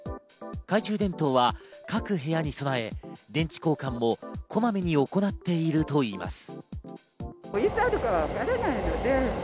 懐中電灯は各部屋に備え、電池交換もこまめに行っているといいます。